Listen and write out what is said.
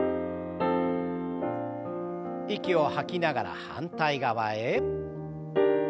息を吐きながら反対側へ。